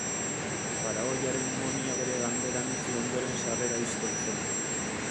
Faraoiaren momia bere ganberan utzi ondoren sarrera ixten zen.